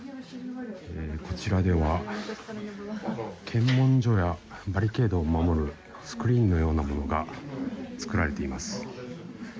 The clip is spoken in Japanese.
こちらでは検問所やバリケードを守るスクリーンのようなものが作られています。